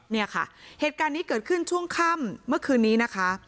เนี่ยค่ะเหตุการณ์นี้เกิดขึ้นช่วงค่ำเมื่อคืนนี้นะคะ